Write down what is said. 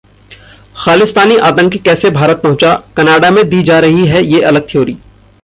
खालिस्तानी आतंकी कैसे भारत पहुंचा? कनाडा में दी जा रही है ये अलग थ्योरी